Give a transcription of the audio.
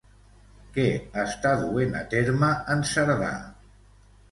Què està duent a terme en Cerdà?